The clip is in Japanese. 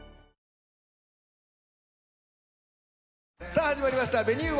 さあ始まりました！